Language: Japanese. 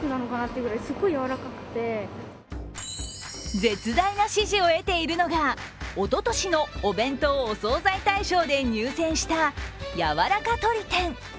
絶大な支持を得ているのが、おととしのお弁当・お惣菜大賞で入選したやわらか鶏天。